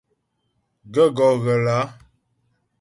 Gaə̂ gɔ́ ghə lǎ ?